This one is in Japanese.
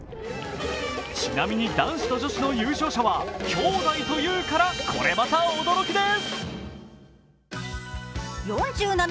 ちなみに男子と女子の優勝者は兄妹というから、これまた驚きです。